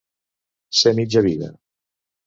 Ser mitja vida.